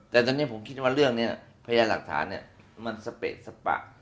แต่ตอนนี้ผมคิดว่าเรื่องนี้พยานหลักฐานมันสเปะสปะ